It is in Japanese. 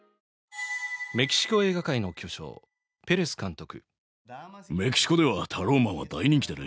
メキシコ映画界の巨匠ペレス監督